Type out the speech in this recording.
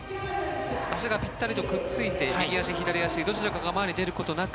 足がぴったりとくっついて右足、左足どちらかが前に出ることなく。